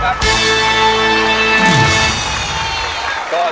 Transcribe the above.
๘๐๐๐ของบ้าน